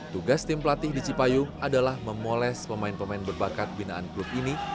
tugas tim pelatih di cipayu adalah memoles pemain pemain berbakat binaan klub ini